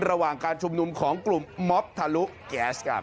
ระหว่างการชุมนุมของกลุ่มม็อบทะลุแก๊สครับ